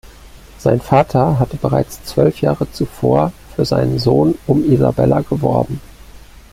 Sein Vater hatte bereits zwölf Jahre zuvor für seinen Sohn um Isabella geworben.